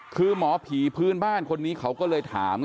คือหมอผีพื้นบ้านคนนี้เขาก็เลยถามไง